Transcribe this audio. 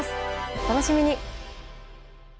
お楽しみに！